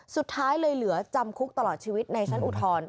สุดท้ายเลยเหลือจำคุกตลอดชีวิตในชั้นอุทธรณ์